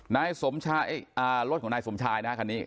นายสมชายอ่ารถของนายสมชายนะครับคันนี้